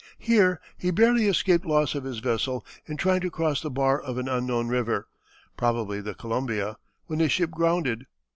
Here he barely escaped loss of his vessel in trying to cross the bar of an unknown river, probably the Columbia, when his ship grounded.